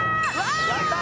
やった！